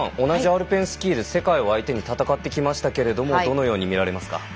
同じアルペンスキーで世界を相手に戦ってきましたけれどもどのように見られますか。